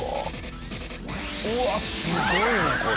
うわっすごいねこれ。